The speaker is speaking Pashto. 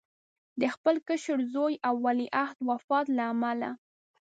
د خپل کشر زوی او ولیعهد وفات له امله.